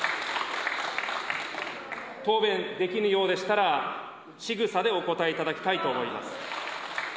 答弁できぬようでしたら、しぐさでお答えいただきたいと思います。